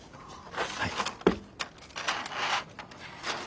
はい。